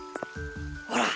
ほら。